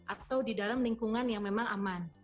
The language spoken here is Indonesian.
atau di dalam lingkungan yang memang aman